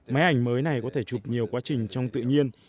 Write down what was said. máy ảnh mới này có thể chụp nhiều quá trình trong tự nhiên